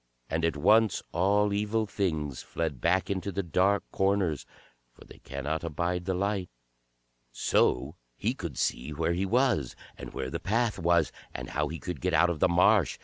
And at once all evil things fled back into the dark corners, for they cannot abide the light. So he could see where he was, and where the path was, and how he could get out of the marsh.